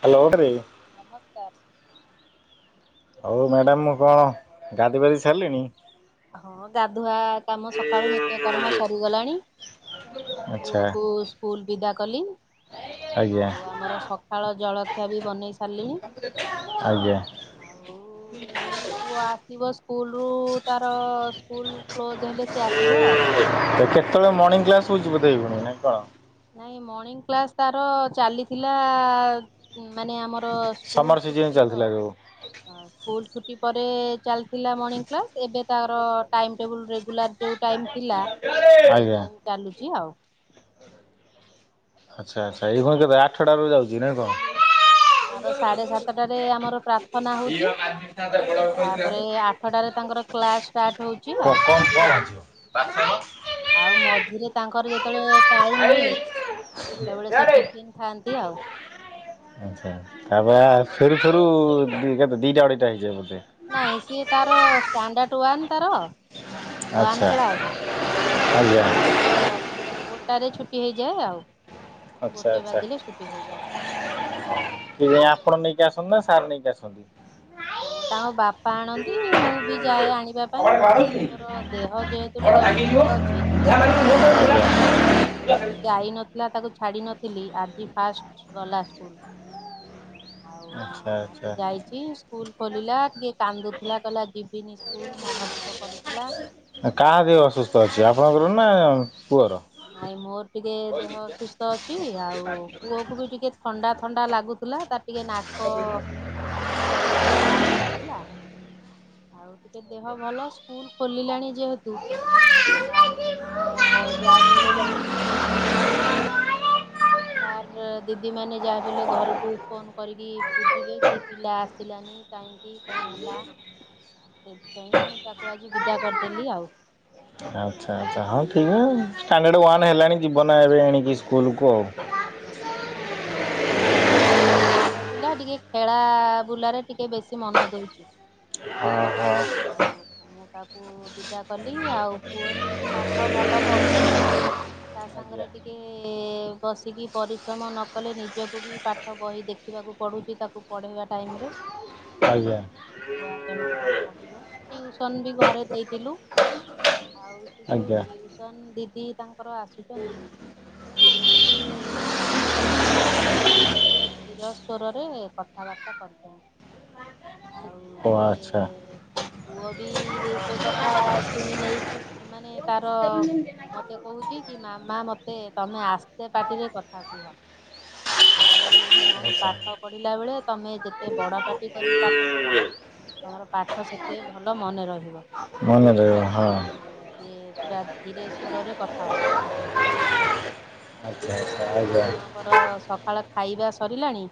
Hello [inaudible] ନମସ୍କାର। ହଉ madam କଣ ଗାଧେଇ ପାଧେଇ ସାଇଲେଣି। ହଁ ଗାଧୁଆ କାମ ସକାଳୁ ନିତ୍ୟ କର୍ମ ସରିଗଲାଣି। ଆଚ୍ଛା ପୁଅ କୁ ସ୍କୁଲ ବିଦା କଲି ଆଜ୍ଞା ଆଉ ଆମର ସ ସକାଳ ଜଳଖିଆ ବି ବନେଇ ସାରିଲିଣି ଆଜ୍ଞା। ଏଇ ପୁଅ ଆସିବ ସ୍କୁଲରୁ ତାର ସ୍କୁଲ କ୍ଲୋଜ ହେଲେ ସେ ଆସିବ। କେତେବେଳେ ମର୍ଣ୍ଣିଂ କ୍ଲାସ ହଉଚି ବୋଧେ କଣ ନାଇଁ କଣ? ନାଇଁ ମର୍ଣ୍ଣିଂ କ୍ଲାସ୍ ତାର ଚାଲିଥିଲା ମାନେ ଆମର ସମର ସ୍କୁଲ ସିଜନ ଛୁଟିର ଚାଲିଥିଲା ଯୋଉ ସ୍କୁଲ ଛୁଟି ପରେ ଚାଲିଥିଲା ମର୍ଣିଂ କ୍ଲାସ୍ ଏବେ ତାର ଟାଇମ ଟେବୁଲ ରେଗୁଲାର ଯୋଉ ଟାଇମ ଥିଲା [inaudible] ସେଇ ଟାଇମ ଚାଲୁଚି ଆଉ। ଆଚ୍ଛା ଆଚ୍ଛା ଏଇ ଘଣୁ କେତେ ଆଠଟାରୁ ଯାଉଛି ନାଇଁ କଣ? ତାର ସାଢ଼େ ସାତଟାରେ ଆମର ପ୍ରା ପ୍ରାର୍ଥନା ହେଉଚି ତା ପରେ ଆଠଟାରେ ତାଙ୍କର କ୍ଲାସ୍ ଷ୍ଟାର୍ଟ ହଉଚି ଆଉ। [unintelligible] ଆଉ ମଝିରେ ତାଙ୍କର ଯେତେବେଳେ ଟାଇମ ମିଳେ ସେତେବେଳେ ସେ ଟିଫିନ୍ ଖାଆନ୍ତି ଆଉ। ଆଚ୍ଛା ତା ଅପେକ୍ଷା ଫେରୁ ଫେରୁ କେତେ ଦିଟା ଅଢେଇଟା ହେଇଯାଏ ବୋଧେ। ନାଇଁ ସିଏ ତାର ଷ୍ଟାଣ୍ଡାର୍ଡ ୱାନ୍ ତାର ୱାନ୍ ଆଚ୍ଛା କ୍ଲାସ୍ ଆଜ୍ଞା ସେଇଥିପାଇଁ ତାଙ୍କର ଗୋଟାରେ ଛୁଟି ହେଇଯାଏ ଆଉ। ଆଚ୍ଛା ଗୋଟେ ଆଚ୍ଛା ବାଜିଲେ ଛୁଟି ହେଇଯାଏ କିଏ ଆପଣ ନେଇକି ଆସନ୍ତି ନା ସାର୍ ନେଇକି ଆସନ୍ତି? ତାଙ୍କ ବାପା ଆଣନ୍ତି ମୁଁ ବି ଯାଏ ଆଣିବା ପାଇଁ। କବାଟ ବାଡ଼ଉଚି ମୋର ଦେହ ଯେହେତୁ ଟିକେ ଅସୁସ୍ଥ ଅଛି ଜ [inaudible] ଏଥର ସ୍କୁଲ ଯାଇ ନଥିଲା ତାକୁ ଛାଡ଼ି ନଥିଲି, ଆଜି ଫାଷ୍ଟ୍ ଗଲା ସ୍କୁଲ। ଆ [inaudible] ଆଉ ଆଜି ଯାଇଚି ସ୍କୁଲ ଖୋଲିଲା କିଏ କାନ୍ଦୁଥିଲା କହିଲା ଜି ଯିବିନି ସ୍କୁଲ ମନ ଦୁଃଖ କରୁଥିଲା। ତ ଅଛି ଆପଣଙ୍କର ନା ପୁଅର। ଭାଇ ମୋର ଟିକେ ଦେହ ଅସୁସ୍ଥ ଅଛି। ଆଉ ପୁଅକୁ ବି ଟିକେ ଥଣ୍ତା ଥଣ୍ତା ଲାଗୁଥିଲା ତା ଟିକେ ନାକ ଟିକେ ଯାମ୍ ରହୁଥିଲା ଆଉ ଟିକେ ଦେହ ଭଲ ସ୍କୁଲ ଖୋଲିଲାଣି ଯେହେତୁ ଆଉ ମୋର ଯାହାବି ଯେମିତି ସ୍କୁଲରେ ନ [unintelligible] [unintelligible] ସାର୍ ଦିଦି ମାନେ ଯାହାବି ହେଲେ ଘରକୁ ଫୋନ କରିକି ବୁଝିଲି କି ପିଲା ଆସିଲାନି କାହିଁକି କଣ ହେଲା? ସେଥିପାଇଁ ତାକୁ ଆଜି ବିଦା କରିଦେଲି ଆଉ। ଆଚ୍ଛା ଆଚ୍ଛା ହଁ ଠିକ୍ ଷ୍ଟାଣ୍ଡାର୍ଡ଼ ୱାନ୍ ହେଲାଣି ଜୀବନା ଏବେ ଏଣିକି ସ୍କୁଲକୁ। ଆଜ୍ଞା ସେ ଟିକେ ଛୋଟ ପିଲା ଟିକେ ଖେଳା ବୁଲାରେ ଟିକେ ବେଶି ମନ ଦଉଛି। [unintelligible] ଆଉ ମୁଁ ତାକୁ ବିଦା କଲି ଆଉ ପୁଅଟି ପାଠ ଭଲ ପଢୁଛି। ତା ଆଜ୍ଞା ସାଙ୍ଗରେ ଟିକେ ବସିକି ପରିଶ୍ରମ ନକଲେ ନିଜକୁ ବି ପାଠ ବହି ଦେଖିବାକୁ ପଡ଼ୁଛି ତାକୁ ପଢ଼େଇବା ଟାଇମରେ। ଆଜ୍ଞା ଛୁଆ କେମିତି କଣ ପଢ଼ିବ? ଟିଉସନ ବି ଘରେ ଦେଇଥିଲୁ। ଆଉ ସେ ଯୋଉ ଆଜ୍ଞା ଟିଉସନ ଦିଦି ତାଙ୍କର ଆସୁଛନ୍ତି [unintelligible] ଧୀର ସ୍ବରରେ କଥାବାର୍ତ୍ତା କରୁଛନ୍ତି। ଆଉ ଓ ସେ ଆଚ୍ଛା। ପୁଅ ବି ସେ କଥା ଶୁଣି ନେଇକି ମାନେ ତାର ମତେ କହୁଛି କି ମାମା ମତେ ତମେ ଆସ୍ତେ ପାର୍ଟିରେ କଥା କୁହ। ମୁଁ କଲି ନାଇଁ ଆଚ୍ଛା ପାଠ ପଢିଲା ବେଳେ ତମେ ଯେତେ ବଡ ପାଟି କରି ପାଠପଢିବ ତମର ପାଠ ସେତେ ଭଲ ମନେ ରହିବ। ମନେ ରହିବ ହଁ। ଆଉ ସିଏ ପୁରା ଧୀରେ ସ୍ବରରେ କଥା ହଉଛି। ଆଚ୍ଛା ଆଚ୍ଛା ଆଉ ଆଜ୍ଞା। ଆପଣଙ୍କର ସକାଳ ଖାଇବା ସରିଲାଣି?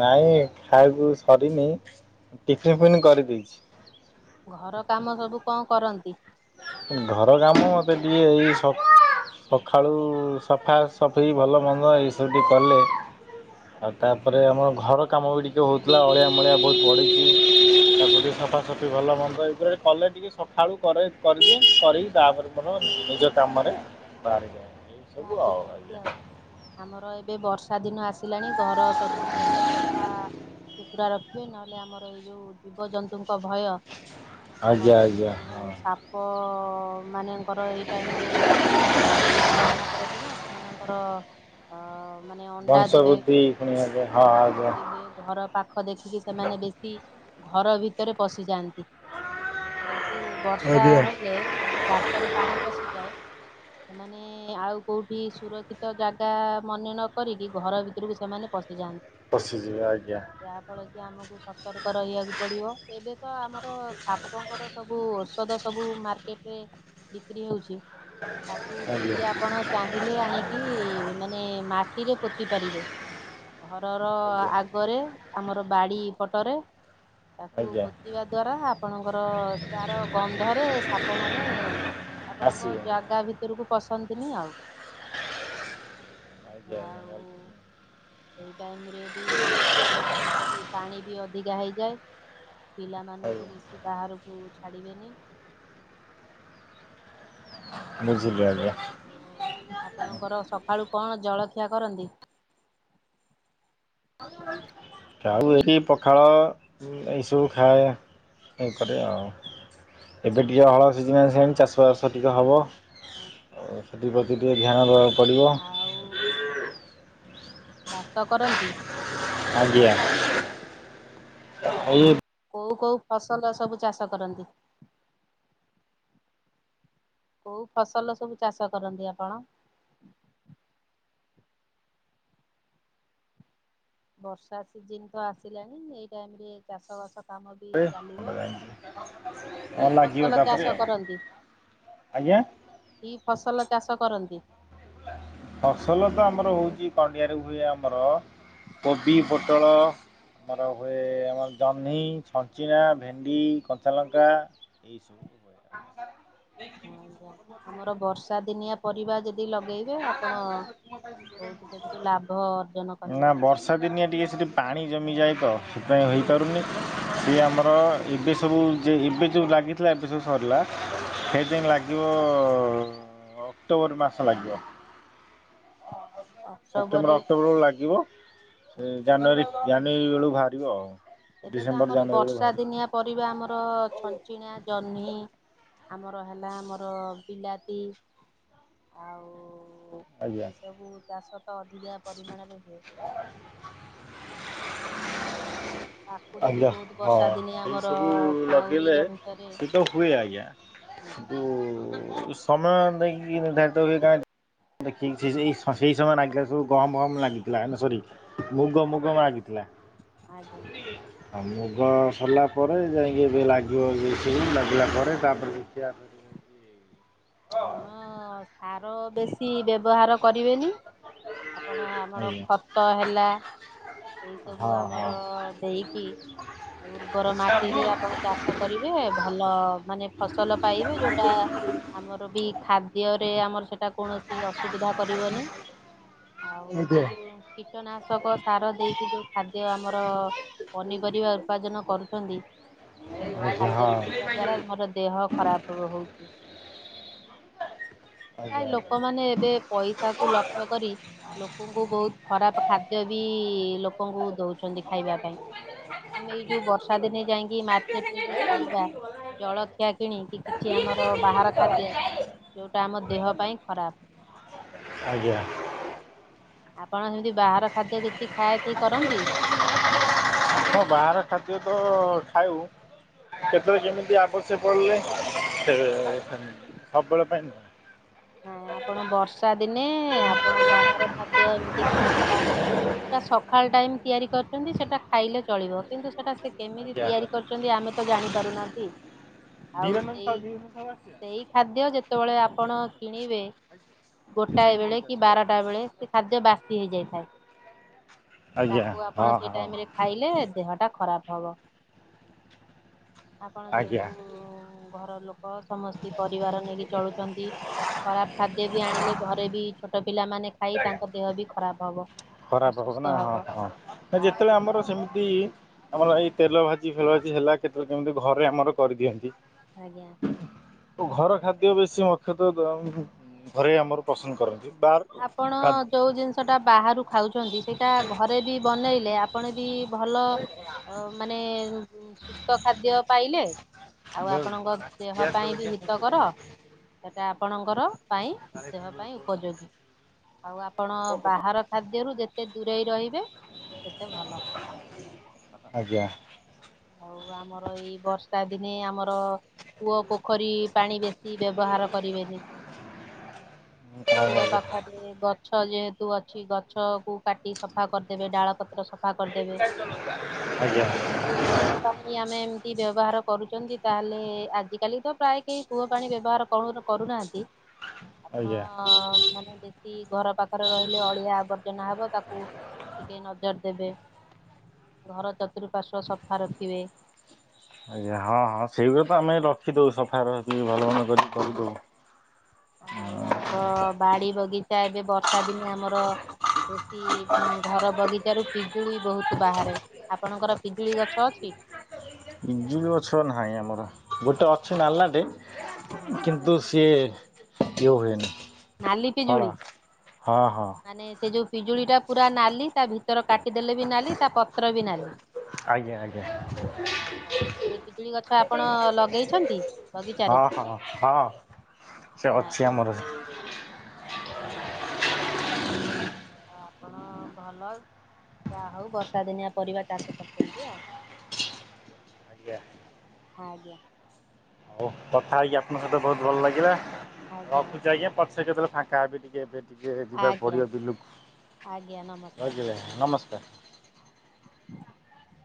ନାଇଁ ଖାଇକୁ ସରିନି ଟିଫିନ ଫିନ୍ କରିଦେଇଛି। ଘର କାମ ସବୁ କଣ କରନ୍ତି? ଘର କାମ ମୋତେ ଟିକିଏ ଏଇ ସବ୍ ସକାଳୁ ସଫା ସଫେଇ ଭଲ ମନ୍ଦ ଏଇ ସବୁ କଲେ ଆଉ ତାପରେ ଆମର ଘର କାମ ବି ଟିକିଏ ହେଉଥିଲା ଅଳିଆ ମଳିଆ ବହୁତ ପଡିଛି। ତାପରେ ସଫାସଫି ଭଲ ମନ୍ଦ ଏଇଗୁଡାରେ କଲେ ଟିକେ ସକାଳୁ କରେ କରିଦିଏ କରିକି ତାପରେ ମୋର ନିଜ କାମରେ ବାହାରିଯାଏ। ଏଇ ସବୁ ଲାଗି ଆଉ ଯାଆନ୍ତି ଆଉ। ଆଜ୍ଞା। ଆମର ଏବେ ବର୍ଷା ଦିନ ଆସିଲାଣି ଘର ଚତୁଃପାର୍ଶ୍ଵ ସଫା ସୁତୁରା ରଖିବି ନହେଲେ ଆମର ଏଇ ଯୋଉ ଜୀବଜନ୍ତୁଙ୍କ ଭୟ ଆଜ୍ଞା ଆମର ଏଇ ଆଜ୍ଞା ଯୋଉ ହଁ ସାପ ମାନେଙ୍କର ଏଇ ଟାଇମରେ ଛୁଆ ଜନ୍ମ କରନ୍ତି ନା ସେମାନଙ୍କର ଅ ମାନେ ଅଣ୍ଡା ଦେବେ ବଂଶବୃଦ୍ଧି ପୁଣି ଆଜ୍ଞା ହଁ ଆଜ୍ଞା। [unintelligible] ଘର ପାଖ ଦେଖିକି ସେମାନେ ବେଶୀ ଘର ଭିତରେ ପଶିଯାଆନ୍ତି ଯେହେତୁ ବର୍ଷା ଆଜ୍ଞା ହେଲେ ତାଙ୍କ ଗାତରେ ପାଣି ପଶିଯାଏ ସେମାନେ ଆଉ କଉଠି ସୁରକ୍ଷିତ ଜାଗା ମନେ ନକିରିକି ଘର ଭିତରକୁ ସେମାନେ ପଶିଯାଆନ୍ତି। ପଶି ଯିବା ଆଜ୍ଞା। ଯାହା ଫଳରେ କି ଆମକୁ ସତର୍କ ରହିବାକୁ ପଡିବ ଏବେ ତ ଆମର ସାପଙ୍କର ସବୁ ଔଷଧ ସବୁ ମାର୍ ଏବେ ବିକ୍ରି ହେଉଛି ତାକୁ ବି ଆଜ୍ଞା ଆପଣ ଚାହିଁଲେ ଆଣି କି ମାନେ ମାଟିରେ ପୋତି ପାରିବେ ଘରର ଆଜ୍ଞା ଆଗରେ ଆମର ବାଡି ପଟରେ ତାକୁ ଆଜ୍ଞା ପୋ ପିଇବା ଦ୍ବାରା ଆପଣଙ୍କର ତାର ଗନ୍ଧରେ ସାପ ମାନେ ଆପଣଙ୍କ ଆସିବେ ଆଜ୍ଞା ଜାଗା ଭିତରକୁ ପଶନ୍ତିନି ଆଉ। ଆଜ୍ଞା ଆଜ୍ଞା ଆଉ ସେଇ ଟାଇମ ରେ ବି ଗଢିଆ ପୋଖରୀ ପାଣି ବି ଅଧିକା ହେଇଯାଏ। ପିଲାମାନଙ୍କୁ ବେଶି ବାହାରକୁ ଛାଡ଼ିବେନି। ବୁଝିଲି ଆଜ୍ଞା। ଓ ଆପଣଙ୍କର ସକାଳୁ କଣ ଜଳଖିଆ କରନ୍ତି? ଆ ଆଉ ଏଠି ପଖାଳ ଏଇସବୁ ଖାଏ ଏ କରେ ଆଉ। ଏବେ ଟିକିଏ ହଳ ସିଜିନ ଆସିଲାଣି ଚାଷବାସ ଟିକେ ହବ। ଆଉ ସେଥିପ୍ରତି ଟିକେ ଧ୍ୟାନ ଦେବାକୁ ପଡ଼ିବ। ଆଉ ଚାଷ କରନ୍ତି? ଆଜ୍ଞା ହଉ ଏବେ। କୋଉଁ କୋଉଁ ଫସଲ ସବୁ ଚାଷ କରନ୍ତି? କୋଉଁ ଫସଲ ସବୁ ଚାଷ କରନ୍ତି ଆପଣ? ବର୍ଷା ସିଜିନ ତ ଆସିଲାଣି ଏଇ ଟାଇମ ରେ ଚାଷ ବାସ କାମ ବି ଚାଲିବ। ହଁ କି ଲାଗିବ ଫସଲ ତାପରେ ଚାଷ ଆଉ କରନ୍ତି? ଆଜ୍ଞା। କି ଫସଲ ଚାଷ କରନ୍ତି? ଫସଲ ତ ଆମର ହଉଛି କଣ୍ଡିଆରେ ହୁଏ ଆମର। କୋବି ପୋଟଳ। ଆମର ହୁଏ ଆମର ଜହ୍ନି ଛଞ୍ଚିଣା ଭେଣ୍ଡି କଞ୍ଚାଲଙ୍କା। ଏଇ ସବୁ। ଆଜ୍ଞା। ଆମର ବର୍ଷା ଦିନିଆ ପରିବା ଯେତେ ଯଦି ଲଗେଇବେ ଆପଣ ବହୁତ ସେଥିରୁ ଲାଭ ଅର୍ଜନ କରିବେ। ଚାର୍ଷଦିନିଆ ଟିକେ ସେଠିଁ ପାଣି ଜମିଯାଏ ତ ସେଥିପାଇଁ ହୋଇପାରୁନି ସିଏ ଆମର। ଏବେ ସବୁ ଯେ ଏବେ ଯୋଉଁ ଲାଗିଥିଲା ଏବେ ସବୁ ସରିଲା ଏବେ ଲାଗିବ ଅକ୍ଟୋବର ମାସ ଲାଗିବ। ସେପ୍ଟେମ୍ବର ଅକ୍ଟୋବରରେ ଅକ୍ଟୋବରରୁ ବେଳକୁ ଲାଗିବ। ସେ ଜାନୁଆରୀ ଜାନୁୟରୀ ବେଳକୁ ବାହାରିବ ଆଉ। ଏବେ ତ ଡିସେମ୍ବର ଆମର ଜାନୁଆରୀ ବେଳକୁ ବର୍ଷା ବାହାରିବ ଦିନିଆ ପରିବା ଆମର ଛଞ୍ଚିଣା ଜହ୍ନି ଆମର ହେଲା ଆମର ବିଲାତି ଆଉ। ଆଜ୍ଞା ଏଇ ସବୁ ଚାଷ ତ ଅଧିକା ପରିମାଣରେ ହୁଏ। କାକୁଡି ବି ଆଜ୍ଞା ବହୁତ ହଁ ବର୍ଷା ଦିନେ ଏଇ ଆମର ସବୁ ଲଗେଇଲେ ଗାଉଁଲିର ଭିତରେ ସେ ତ ହୁଏ ଆଜ୍ଞା। କିନ୍ତୁ ସମୟ ନେଇକି ନିର୍ଦ୍ଧାରିତ ହୁଏ ଗାଁରେ। ଦେଖିକି ସେଇ ସେଇ ସମୟ ଲାଗିଥିଲା ସବୁ ଗରମ ଫହମ ଲାଗିଥିଲା। ହେ ସରି ମୁଗ ମୁଗ ମାଗିଥିଲା। ଆଜ୍ଞା। ଆଉ ମୁଗ ସରିଲା ପରେ ଯାଇକି ଲାଗିବ ବିମ୍ସଛୁଇଁ ଲାଗିଲା ପରେ ତାପରେ ଦେଖିଆ। ଆପଣ ସାର ବେଶୀ ବ୍ୟବହାର କରିବେନି? ଆପଣ ଆମର ଆଜ୍ଞା ଖତ ହେଲା। ଏଇ ସବୁ ହଁ ଆମର ହଁ ଦେଇକି ଉର୍ବର ଆଜ୍ଞା। ମାଟିରେ ଆଜ୍ଞା ଆପଣ ଚାଷ କରିବେ ଭଲ ମାନେ ଫସଲ ପାଇବେ ଯୋଉଟା ଆମର ବି ଖାଦ୍ୟରେ ଆମର ସେଠ ସେଟା କୌଣସି ଅସୁବିଧା କରିବନି ଆଉ ଏବେ ଯୋଉଁ କୀଟନାଶକ ସାର ଦେଇକି ଯୋଉ ଖାଦ୍ୟ ଆମର। ପନିପରିବା ଉପାର୍ଜନ କରୁଛନ୍ତି ଏ ସବୁ ହଁ ଆଜ୍ଞା ଖାଦ୍ୟ ଖାଇବା ଦ୍ଵାରା ଆମର ଦେହ ଖରାପ ହହଉଛି? କାଇଁ ଆଜ୍ଞା। ଆଜ୍ଞା ଲୋକମାନେ ଏବେ ପଇସା କଥାକୁ ଲକ୍ଷ୍ୟ କରି ଲୋକଙ୍କୁ ବହୁତ ଖରାପ ଖାଦ୍ୟ ବି ଲୋକଙ୍କୁ ଦଉ ଛନ୍ତି ଖାଇବା ପାଇଁ ଆମେ ଏଇ ଯୋଉଁ ବର୍ଷା ଦିନେ ଯାଇକି ମାର୍କେଟରେ ଯୋଉଁ ଖାଇବା ଜଳ ଖିଆକିଣି କି କିଛି ଆମର ବାହାର ଖାଦ୍ୟ ଯେଉଁଟା ଆମ ଦେହ ପାଇଁ ଖରାପ? ଆପଣ ଯଦି ବାହାର ଖାଦ୍ୟ କିଛି ଖାୟା ଖିଇ କରନ୍ତି? ମୁଁ ବାହାର ଖାଦ୍ୟ ତ ଖାଇବୁ। କେତେବେଳେ କେମିତି ଆବଶ୍ୟକ ପଡିଲେ ଏଁ ସବୁ ବେଳେ ପାଇଁ ନୁହେଁ। ହେଁ ଆପଣ ବର୍ଷା ଦିନେ ଆପଣ ବାହାର ଖାଦ୍ୟ ଏମିତି କିଛି ହେଲା ଯୋଉଟା ସଖାଳ ଟାଇମ୍ ତିଆରି କରିଛନ୍ତି ସେଟା ଖାଇଲେ ଚଳିବ। କିନ୍ତୁ ସେଟା କେମିତି ଆଜ୍ଞା ତିଆରି କରିଛନ୍ତି ଆମେ ତ ଜାଣି ପାରୁନାହାନ୍ତି। ଆଉ ଧୀରେନ୍ଦ୍ର ସେଇ ସାହୁ ଧୀରେନ୍ଦ୍ର ସାହୁ ଆସିବେ ସେଇ ଖାଦ୍ୟ ଯେତେବେଳେ ଆପଣ ଣିବେ। ଗୋଟାଏ ସେଇଠି ବେଳେ ନେଇକି ଆସ କି ଗାଡ଼ିକି ବାରଟା ବେଳେ ସେ ଖାଦ୍ୟ ବାସି ହେଇଯାଇଥାଏ। ଆଜ୍ଞା ତାକୁ ହଁ ଆପଣ ସେଇ ହଁ ଟାଇମ୍ ରେ ଖାଇଲେ ଦେହ ଟା ଖରାପ ହବ। ଆପଣ ଆଜ୍ଞା ଯେହେତୁ ଘର ଲୋକ ସମସ୍ତେ ପରିବାର ନେଇକି ଚଳୁଛନ୍ତି। ରାପ୍ ଖାଦ୍ୟ ବି ଆଣିଲେ ଘରେ ବି ଛୋଟ ପିଲାମାନେ ଖାଇ ତାଙ୍କ ଦେହ ବି ଖରାପ ହବ। ଖରାପ ହବ ନା ହଁ ହଁ ନା ଆଉ ଯେତେବେଳେ ଆମ ଆମର ସେମିତି ଆମର ଏଇ ତେଲ ଭାଜି ଫେଲ ଭାଜି ହେଲା କେତେବେଳେ କେମିତି ଘରେ ଆମର କରିଦିଅନ୍ତି। ଆଜ୍ଞା ଘର ଖାଦ୍ୟ ବେଶୀ ମୁଖ୍ୟତଃ ଘରେ ଆମର ପସନ୍ଦ କରନ୍ତି ବାଃ ଆପଣ ଯୋଉ ଜିନିଷଟା ବାହାରୁ ଖାଉଛନ୍ତି ସେଇଟା ଘରେ ବି ବନେଇଲେ ଆ ଆପଣ ବିି ଭଲ ମାନେ ସୁସ୍ଥ ଖାଦ୍ୟ ପାଇଲେ। ଆଉ ଆପଣଙ୍କ ଦେହ ପାଇଁ ବି ହିତ କର ସେଟା ଆପଣଙ୍କର ପାଇଁ ଦେହ ପାଇଁ ଉପଯୋଗୀ। ଆଉ ଆପଣ ବାହାର ଖାଦ୍ୟରୁ ଯେତେ ଦୂରେଇ ରହିବେ ସେତେ ଭଲ। ଆଜ୍ଞା ହୋଉ ଆମର ଏଇ ବର୍ଷା ଦିନେ ଆମର କୂଅ ପୋଖରୀ ପାଣି ବେଶୀ ସି ବ୍ୟବହାର କରିବେନି ଆଜ୍ଞା ପୁଅ ପାଖ ରେ ଗଛ ଯେହେତୁ ଅଛି ଗଛ କୁ କାଟି ସଫା କରିଦେବେ। ଡାଳ ପତ୍ର ସଫା ଫା କରିଦେବେ। ଯଦି କୂଅ ପାଣି ଆମେ ଏମତି ବ୍ୟବହାର କରୁଛନ୍ତି। ତାହେଲେ ଆଜିକାଲି ତ ପ୍ରାୟ କେହି କୂଅ ପାଣି ବ୍ୟବହାର କରୁ କରୁନାହାଁନ୍ତି। ହ ଆପଣ ମାନେ ଯେତ ଚି ଘର ପାଖରେ ରହିଲେ ଅଳିଆ ଆବର୍ଜନା ହବ ତାକୁ ଟିକେ ନଜର ଦେବେ। ଘର ଚତୁଃପାଶ୍ୱ ସଫା ରଖିବେ। ଆଜ୍ଞା ହଁ ହଁ ସେଇଗୁଡ଼ା ତ ଆମେ ରଖିଦୋଉୁ ସଫା ରଖିକି ଭଲ ମନ୍ଦ କରିକି କରିଦୋଉ। ଆଉ ଆମର ବାଡି ବଗିଚା ଏବେ ବର୍ଷା ଦିନେ ଆମର ବେଶୀ ଘର ବଗିଚାରୁ ପିଜୁଳି ବହୁତ ବାହାରେ। ଆପଣଙ୍କର ପିଜୁଳି ଗଛ ଅଛି? ଜୁଳି ଗଛ ନାହିଁ ଆମର। ଗୋଟେ ଅଛି ନାଲାଟେ କିନ୍ତ ନ୍ତୁ ସେ ଇଏ ହୁଏନି। ନାଲି ଫଳ ପିଜୁଳି ହଁ ହଁ ମାନେ ସେ ଯୋଉ ପିଜୁଳି ଟା ପୁରା ନାଲି ତା ଭିତରେ କାଟିଦେଲେ ବି ନାଲି ତା ପତ୍ର ବି ନାଲି। ଆଜ୍ଞା ଆଜ୍ଞା ଓହୋ ଏଇ ପିଜୁଳି ହଁ ଗଛ ଆପଣ ହଁ ଲଗେଇଛନ୍ତି ହଁ ବଗିଚାରେ? ସେ ଅଛି ହଁ ଆମର ଆଉ ଆପଣ ଭଲ ଯାହା ହଉ ବର୍ଷା ଦିନିଆ ପରିବା ଚାଷ କରୁଛନ୍ତି ଆଉ। ଆଜ୍ଞା ଆଜ୍ଞା ହୋଉ କଥା ହେଇକି ଆପଣଙ୍କ ସହିତ ବୋହୁତ ଭଲ ଲାଗିଲା ରଖୁଛି ଆଜ୍ଞା ପଛରେ କେତବେଳେ ଫାଙ୍କା ହେବି ଟିକେ ଏବେ ଟିକେ ଯିବାକୁ ଆଜ୍ଞା ପଡ଼ିବ ଆଜ୍ଞା ବିଲକୁ। ନମସ୍କାର। ରହିଲି ଏବେ ନମସ୍କାର। [unintelligible]